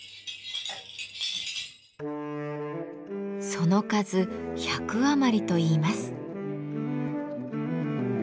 その数１００余りといいます。